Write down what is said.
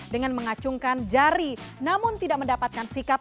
dengan mengacungkan jari namun tidak mendapatkan sikap